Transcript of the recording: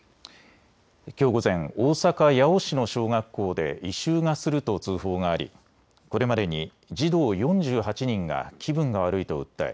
きょう午前、大阪八尾市の小学校で異臭がすると通報がありこれまでに児童４８人が気分が悪いと訴え